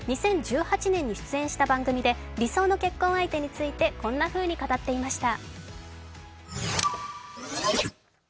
２０１８年に出演した番組で、理想の結婚相手についてこんなふうに語っていました。